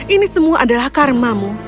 ini semua adalah karmamu